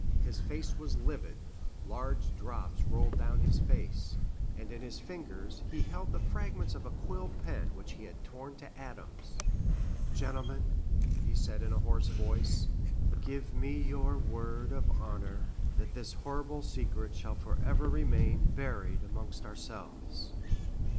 His face was livid, large drops rolled down his face, and in his fingers he held the fragments of a quill pen which he had torn to atoms. "Gentlemen," he said in a hoarse voice, "give me your word of honor that this horrible secret shall forever remain buried amongst ourselves!"